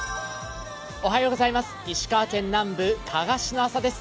石川県南部加賀市の朝です。